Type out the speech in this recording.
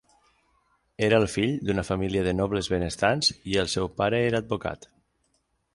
Era el fill d'una família de nobles benestants i el seu pare era advocat.